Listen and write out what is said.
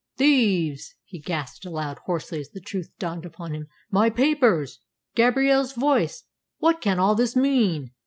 "Thieves!" he gasped aloud hoarsely as the truth dawned upon him. "My papers! Gabrielle's voice! What can all this mean?"